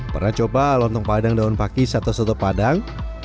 pernah coba lontong padang daun pakis atau soto padang